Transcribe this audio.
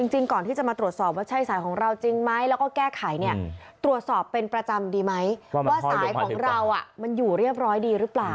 จริงก่อนที่จะมาตรวจสอบว่าใช่สายของเราจริงไหมแล้วก็แก้ไขเนี่ยตรวจสอบเป็นประจำดีไหมว่าสายของเรามันอยู่เรียบร้อยดีหรือเปล่า